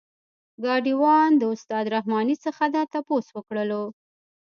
ګاډی وان د استاد رحماني څخه دا تپوس وکړلو.